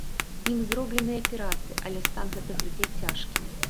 Ім зробленыя аперацыі, але стан гэтых людзей цяжкі.